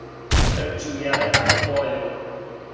Трчи јелен по пољу!